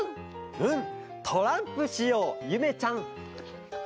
うんトランプしようゆめちゃん。